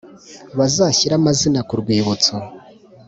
Bazashyire amazina ku rwibutso